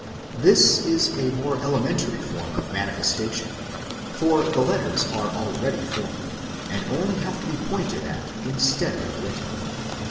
This is a more elementary form of manifestation ; for the letters are already formed, and only have to be pointed at instead of written.